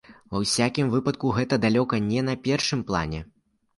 Ва ўсякім выпадку, гэта далёка не на першым плане.